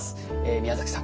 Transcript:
宮崎さん